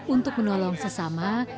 untuk menolong sesama